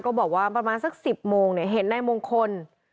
ก็บอกว่าประมาณสักสิบโมงเนี่ยเห็นได้มงคล